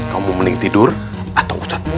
kamu mending tidur atau ustadzmu